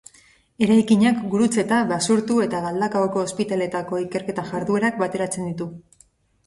Eraikinak Gurutzeta, Basurtu eta Galdakaoko ospitaleetako ikerketa-jarduerak bateratzen ditu.